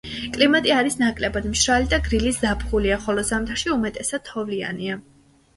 კლიმატი არის ნაკლებად მშრალი და გრილი ზაფხულია, ხოლო ზამთარში უმეტესად თოვლიანია.